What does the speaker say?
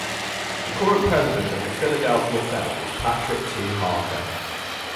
The current President of the Philadelphia Fed is Patrick T. Harker.